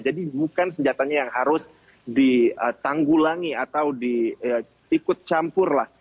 jadi bukan senjatanya yang harus ditanggulangi atau diikut campur lah